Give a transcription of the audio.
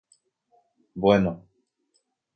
Bueno.